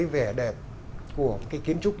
vẻ đẹp của kiến trúc